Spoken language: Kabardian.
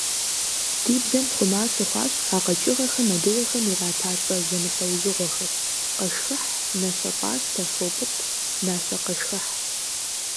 Ди бзэм хъума щыхъуащ а къэкӀыгъэхэм адыгэхэм ирата цӀэ зэмылӀэужьыгъуэхэр: къэшхыхь, нащэпӀастэ, фопӀытӀ, нащэкъэшхыхь.